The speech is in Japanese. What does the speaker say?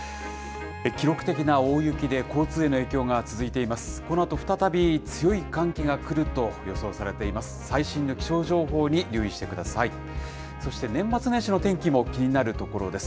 記録的な大雪で、交通への影響が続いています。